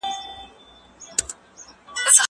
زه سبا ته فکر کړی دی.